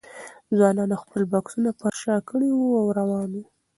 ځوانانو خپل بکسونه پر شا کړي وو او روان وو.